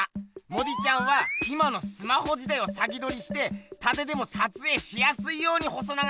モディちゃんは今のスマホ時代を先どりしてたてでもさつえいしやすいように細長くした。